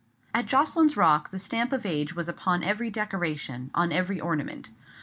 At Jocelyn's Rock the stamp of age was upon every decoration, on every ornament.